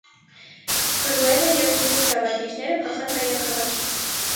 Գրուևը և մյուս դավադիրները փախան մայրաքաղաքից։